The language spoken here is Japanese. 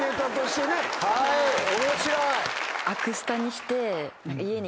面白い。